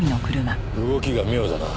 動きが妙だな。